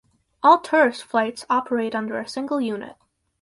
All tourist flights operate under a single unit.